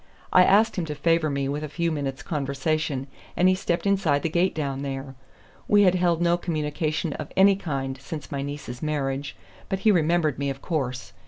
I asked him to favor me with a few minutes' conversation, and he stepped inside the gate down there. We had held no communication of any kind since my niece's marriage, but he remembered me, of course.